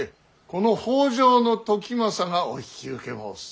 この北条時政がお引き受け申す。